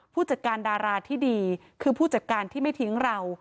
ผู้จัดการดาราที่ดีคือผู้จัดการที่ไม่ทิ้งเรา